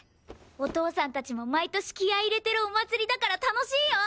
お父さんたちも毎年気合入れてるお祭りだから楽しいよ！